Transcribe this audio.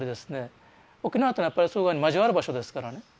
沖縄っていうのはやっぱりそういうふうに交わる場所ですからね